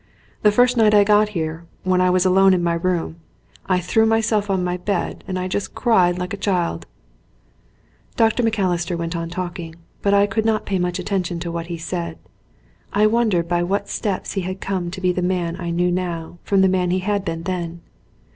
"The first night I got here, when I was alone in my room, I threw myself on my bed and I just cried like a child." Dr. Macalister went on talking, but I could not pay much attention to what he said. I wondered by what steps he had come to be the man I knew now from the man he had been then.